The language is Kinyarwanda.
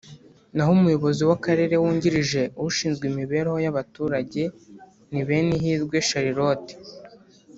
naho Umuyobozi w’Akarere wungirije ushinzwe Imibereho y’Abaturage ni Benihirwe Charlotte